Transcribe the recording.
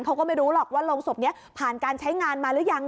เขาก็ไม่รู้หรอกว่าโรงศพนี้ผ่านการใช้งานมาหรือยัง